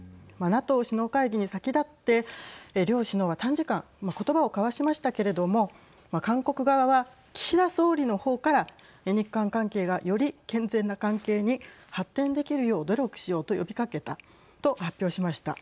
ＮＡＴＯ首脳会議に先立って両首脳は短時間ことばを交わしましたけれども韓国側は、岸田総理のほうから日韓関係が、より健全な関係に発展できるよう努力しようと呼びかけたと発表しました。